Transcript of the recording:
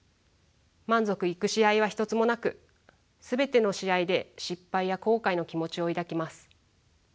満足いく試合は一つもなく全ての試合で失敗や後悔の気持ちを抱きます。